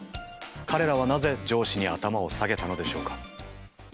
彼らはなぜ上司に頭を下げたのでしょうか？